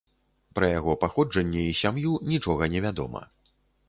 Пра яго паходжанне і сям'ю нічога не вядома.